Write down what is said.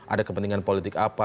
ada kepentingan politik apa